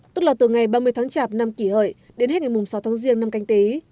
tức là từ ngày ba mươi tháng chạp năm kỷ hợi đến hết ngày sáu tháng riêng năm canh tí